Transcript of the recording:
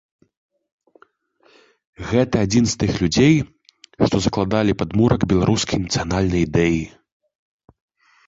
Гэта адзін з тых людзей, што закладалі падмурак беларускай нацыянальнай ідэі.